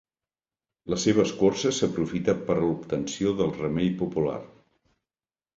La seva escorça s'aprofita per a l'obtenció del remei popular.